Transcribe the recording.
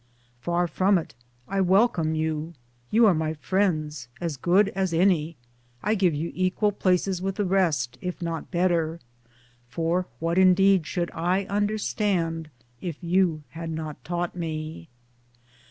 Far from it : I welcome you. You are my friends as good as any, I give you equal places with the rest, if not better — for what indeed should I understand if you had not taught me